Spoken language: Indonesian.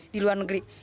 di luar negeri